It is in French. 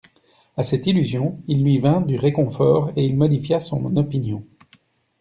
A cette illusion, il lui vint du réconfort, et il modifia son opinion.